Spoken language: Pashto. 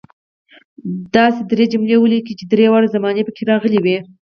داسې درې جملې ولیکئ چې درې واړه زمانې پکې راغلي وي.